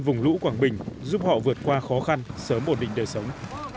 vùng lũ quảng bình giúp họ vượt qua khó khăn sớm ổn định đời sống